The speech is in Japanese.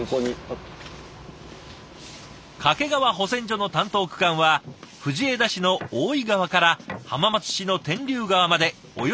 掛川保線所の担当区間は藤枝市の大井川から浜松市の天竜川までおよそ４３キロ。